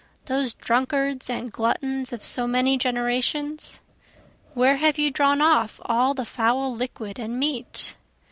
Those drunkards and gluttons of so many generations? Where have you drawn off all the foul liquid and meat?